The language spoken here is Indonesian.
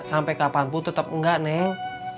sampai kapanpun tetap enggak neng